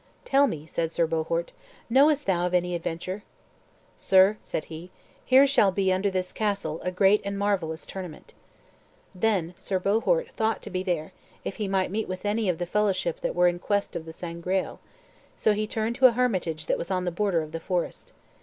"Tell me," said Sir Bohort, "knowest thou of any adventure?" "Sir," said he, "here shall be, under this castle, a great and marvellous tournament." Then Sir Bohort thought to be there, if he might meet with any of the fellowship that were in quest of the Sangreal; so he turned to a hermitage that was on the border of the forest.